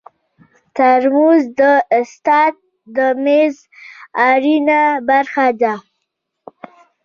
ترموز د استاد د میز اړینه برخه ده.